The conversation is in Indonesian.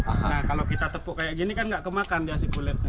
nah kalau kita tepuk kayak gini kan nggak kemakan ya si kulitnya